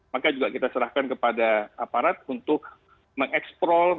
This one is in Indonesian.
maka juga kita serahkan kepada aparat untuk mengeksplor